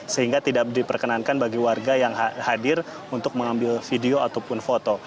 sehingga tidak diperkenankan bagi warga yang hadir untuk mengambil video ataupun foto